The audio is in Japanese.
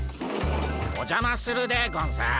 おじゃまするでゴンス。